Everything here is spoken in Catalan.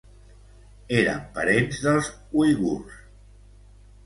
Eren parents dels uigurs.